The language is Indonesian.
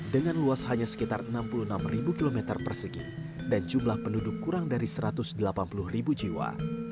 dengan luas hanya sekitar enam puluh enam km persegi dan jumlah penduduk kurang dari satu ratus delapan puluh ribu jiwa